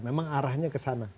memang arahnya ke sana